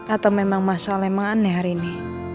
atau memang masalah yang mengane hari ini